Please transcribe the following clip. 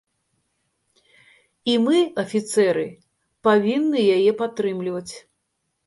І мы, афіцэры, павінны яе падтрымліваць.